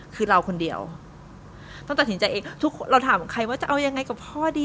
คือเราคนเดียวต้องตัดสินใจเองทุกคนเราถามใครว่าจะเอายังไงกับพ่อดี